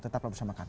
tetaplah bersama kami